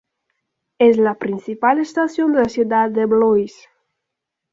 Es la principal estación de la ciudad de Blois.